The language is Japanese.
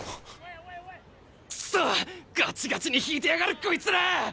くそっガチガチに引いてやがるこいつら！